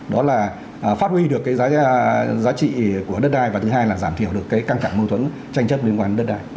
đó là phát huy được cái giá trị của đất đai và thứ hai là giảm thiểu được cái căng thẳng mâu thuẫn tranh chấp liên quan đến đất đai